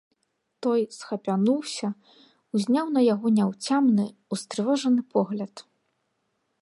Той схапянуўся, узняў на яго няўцямны, устрывожаны погляд.